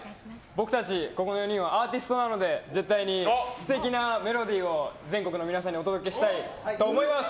僕たち、ここ４人はアーティストなので絶対に素敵なメロディーを全国の皆さんにお届けしたいと思います！